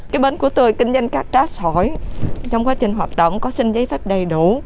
cái bến của tôi kinh doanh các trái trong quá trình hoạt động có xin giấy phép đầy đủ